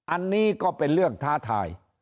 อันนี้ก็เป็นเรื่องท้าทาย